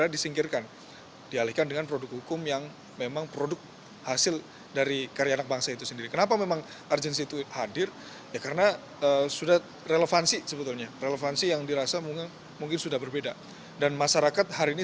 di logika libatan jakarta selatan